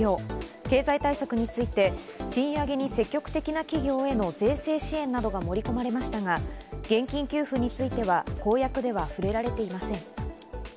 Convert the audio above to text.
経済対策について、賃上げに積極的な企業への税制支援などが盛り込まれましたが現金給付については公約では触れられていません。